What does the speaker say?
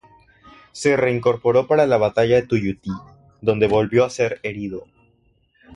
Se reincorporó para la batalla de Tuyutí, donde volvió a ser herido.